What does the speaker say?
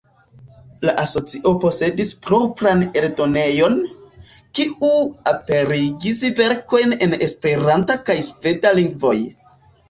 La asocio posedis propran eldonejon, kiu aperigis verkojn en Esperanta kaj sveda lingvoj.